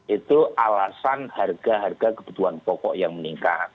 itu alasan harga harga kebutuhan pokok yang meningkat